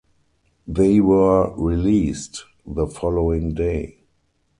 They were released the following day.